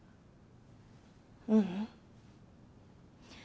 ううん。